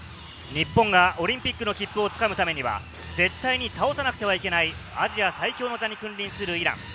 日本がオリンピックの切符を掴むためには絶対に倒さなくてはいけないアジア最強の座に君臨するイラン。